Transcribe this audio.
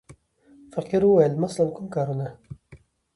فقیر وویل: مثلاً کوم کارونه.